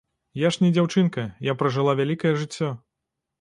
Я ж не дзяўчынка, я пражыла вялікае жыццё.